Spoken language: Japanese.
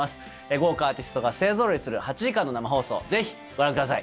豪華アーティストが勢ぞろいする８時間の生放送、ぜひ、ご覧ください。